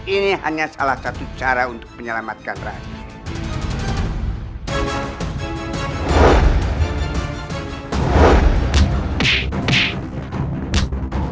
ini hanya salah satu cara untuk menyelamatkan rakyat